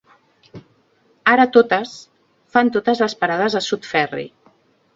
Ara totes fan totes les parades a South Ferry.